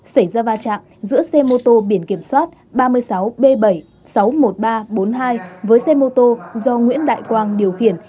xảy ra va chạm giữa xe mô tô biển kiểm soát ba mươi sáu b bảy sáu mươi một nghìn ba trăm bốn mươi hai với xe mô tô do nguyễn đại quang điều khiển